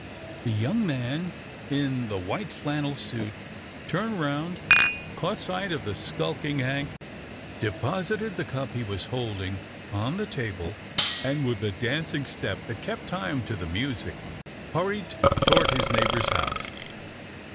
The young man in the white flannel suit, turned round, caught sight of the skulking Hank, deposited the cup he was holding on the table, and with a dancing step that kept time to the music, hurried toward his neighbour's house.